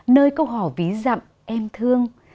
nơi câu hò ví dặm em thương